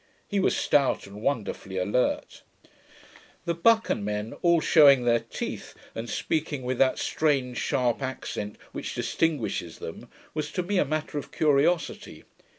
He was stout, and wonderfully alert. The Buchan men all shewing their teeth, and speaking with that strange sharp accent which distinguishes them, was to me a matter of curiosity.